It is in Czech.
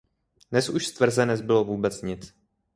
Dnes už z tvrze nezbylo vůbec nic.